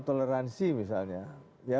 toleransi misalnya ya